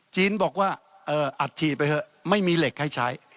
จีนบอกว่าอัดฉีดไปเถอะไม่มีเหล็กให้ใช้